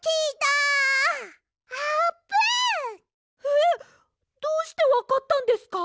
えっどうしてわかったんですか？